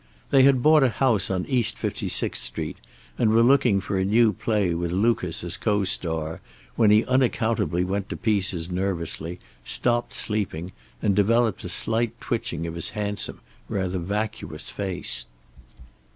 They had bought a house on East Fifty sixth Street, and were looking for a new play with Lucas as co star, when he unaccountably went to pieces nervously, stopped sleeping, and developed a slight twitching of his handsome, rather vacuous face.